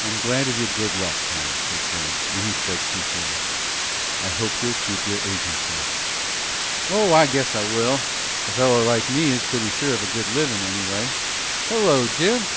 "I'm glad of your good luck, Tom," said Grant, and he spoke sincerely. "I hope you'll keep your agency." "Oh, I guess I will! A feller like me is pretty sure of a good livin', anyway. Hello, Jim!"